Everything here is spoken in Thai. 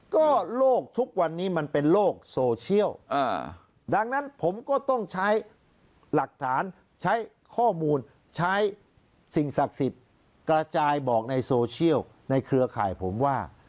ก็โลกทุกวันนี้มันเป็นโลกโซเชียลดังนั้นผมก็ต้องใช้หลักฐานใช้ข้อมูลใช้สิ่งศักดิ์สิทธิ์กระจายบอกในโซเชียลในเครือข่ายผมว่า